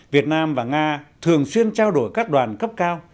việt nam và nga thường xuyên trao đổi các đoàn cấp cao